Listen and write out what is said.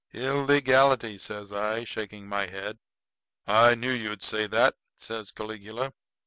"Illegality," says I, shaking my head. "I knew you'd say that," says Caligula.